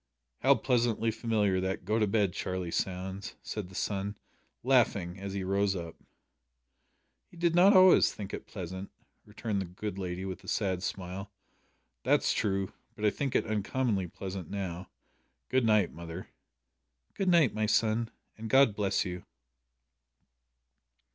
"How pleasantly familiar that `Go to bed, Charlie,' sounds," said the son, laughing, as he rose up. "You did not always think it pleasant," returned the good lady, with a sad smile. "That's true, but I think it uncommonly pleasant now. Good night, mother." "Good night, my son, and God bless you."